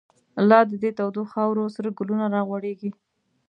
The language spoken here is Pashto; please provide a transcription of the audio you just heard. لا د دی تودو خاورو، سره گلونه را غوړیږی